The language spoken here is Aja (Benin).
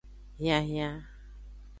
Hianhian.